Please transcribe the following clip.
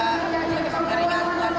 jadi lebih mengeringkan